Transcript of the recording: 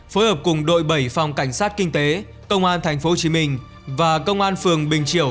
phối hợp cùng đội bảy phòng cảnh sát kinh tế công an tp hcm và công an phường bình triều